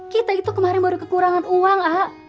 kita itu kemarin baru kekurangan uang